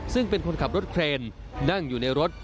ซึ่งเป็นคนขับรถเครนนั่งอยู่ในรถ